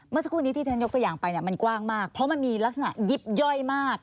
เมื่อสักครู่นี้ที่ฉันยกตัวอย่างไปมันกว้างมากเพราะมันมีลักษณะยิบย่อยมาก